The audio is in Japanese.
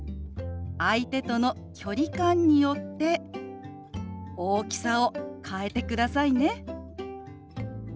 相手との距離感によって大きさを変えてくださいね。